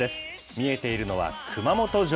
見えているのは、熊本城。